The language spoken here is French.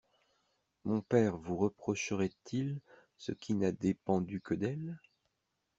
Mon père vous reprocherait-il ce qui n'a dépendu que d'elle?